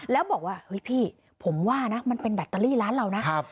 แล้วบอกว่าเฮ้ยพี่ผมว่านะมันเป็นแบตเตอรี่ร้านเรานะ